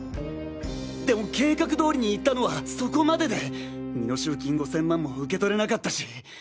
でも計画どおりにいったのはそこまでで身代金５０００万も受け取れなかったし。